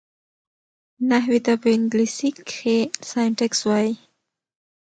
نحوي ته په انګلېسي کښي Syntax وایي.